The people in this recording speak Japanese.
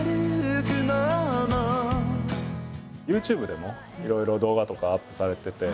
ＹｏｕＴｕｂｅでもいろいろ動画とかをアップされてて。